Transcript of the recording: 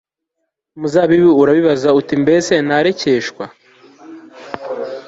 umuzabibu urabibaza uti mbese narekeshwa